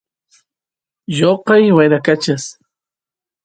lloqay wyrakachas